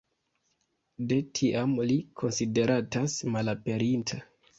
De tiam li konsideratas malaperinta.